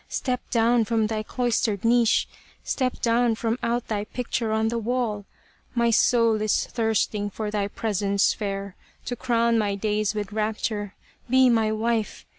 Step down from out thy cloistered niche, Step down from out thy picture on the wall ! My soul is thirsting for thy presence fair To crown my days with rapture be my wife